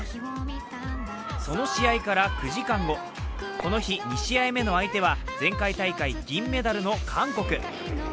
その試合から９時間後、この日２試合目の相手は前回大会銀メダルの韓国。